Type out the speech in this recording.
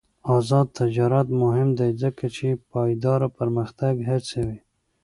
آزاد تجارت مهم دی ځکه چې پایداره پرمختګ هڅوي.